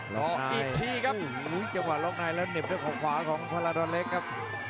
ออกอีกทีครับจังหวะล็อกในแล้วเหน็บด้วยเขาขวาของพลาดอนเล็กครับ